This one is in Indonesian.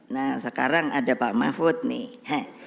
nah sekarang ada pak mahfud nih